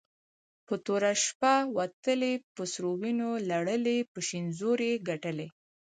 په توره شپه وتلې په سرو وينو لړلې په شين زور يي ګټلې